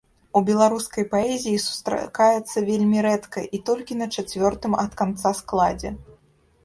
У беларускай паэзіі сустракаецца вельмі рэдка і толькі на чацвёртым ад канца складзе.